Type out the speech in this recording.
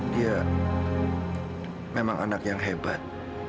dia memang anak yang hebat